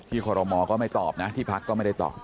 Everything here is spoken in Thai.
ที่ขอรมมอก็ไม่ตอบนะที่พักธุ์ก็ไม่ได้ตอบ